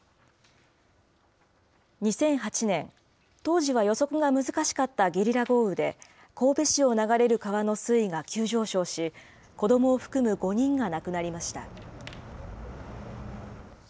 ２００８年、当時は予測が難しかったゲリラ豪雨で、神戸市を流れる川の水位が急上昇し、子どもを含む５人が亡くなりました。